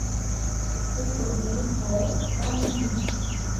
کوئی امید ہے یا نہیں ؟